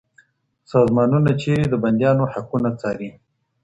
سازمانونه چیري د بندیانو حقونه څاري؟